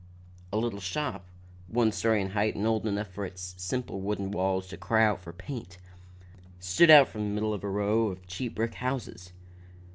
A little shop, one story in height and old enough for its simple wooden walls to cry aloud for paint, stood out from the middle of a row of cheap brick houses.